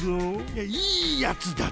いやいいやつだった！